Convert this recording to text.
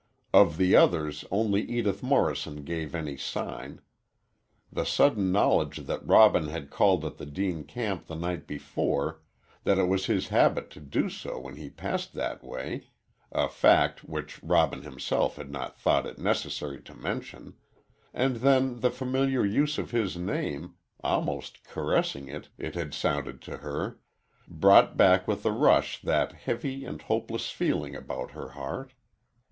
Of the others only Edith Morrison gave any sign. The sudden knowledge that Robin had called at the Deane camp the night before that it was his habit to do so when he passed that way a fact which Robin himself had not thought it necessary to mention and then the familiar use of his name almost caressing, it had sounded to her brought back with a rush that heavy and hopeless feeling about her heart.